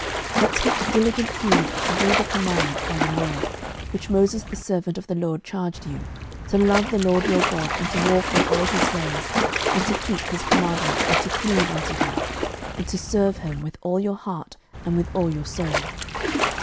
06:022:005 But take diligent heed to do the commandment and the law, which Moses the servant of the LORD charged you, to love the LORD your God, and to walk in all his ways, and to keep his commandments, and to cleave unto him, and to serve him with all your heart and with all your soul.